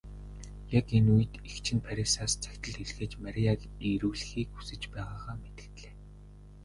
Яг энэ үед эгч нь Парисаас захидал илгээж Марияг ирүүлэхийг хүсэж байгаагаа мэдэгдлээ.